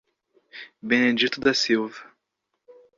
Benedito da Silva